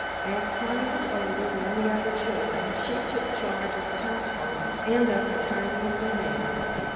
As Connie was older than the other children she took charge of the household and of the tiny little baby.